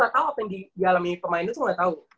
lu ga tau apa yang di alami pemain itu lu ga tau